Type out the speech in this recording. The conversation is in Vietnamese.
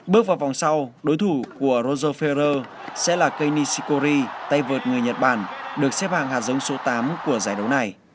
bước vào vòng sau đối thủ của roger ferrer sẽ là kenny shikori tay vợt người nhật bản được xếp hàng hạt giống số tám của giải đấu này